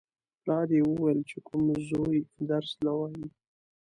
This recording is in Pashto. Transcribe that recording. پلار یې ویل: چې کوم زوی درس نه وايي.